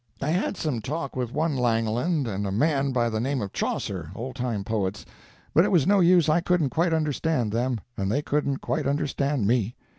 I had some talk with one Langland and a man by the name of Chaucer—old time poets—but it was no use, I couldn't quite understand them, and they couldn't quite understand me.